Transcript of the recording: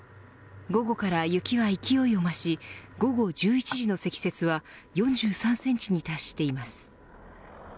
午後から雪は勢いを増し午後１１時の積雪は４３センチに達しています。